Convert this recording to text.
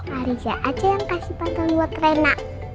pak rija aja yang kasih pantun buat rena